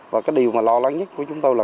và cái điều mà lo lắng nhất của chúng tôi là